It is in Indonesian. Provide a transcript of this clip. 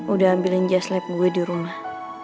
udah ambilin jas lab gue di rumah